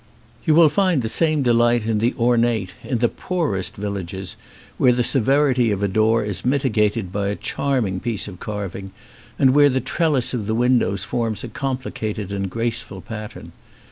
You will find the same delight in the ornate in the poorest villages where the severity of a door is mitigated by a charming piece of carving, and where the trellis of the windows forms a compli cated and graceful pattern.